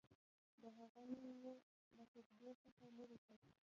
د هغه نوم یې له خطبې څخه لیري کړ.